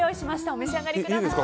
お召し上がりください。